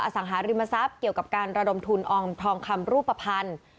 สังหาริมทรัพย์เกี่ยวกับการระดมทุนออมทองคำรูปภัณฑ์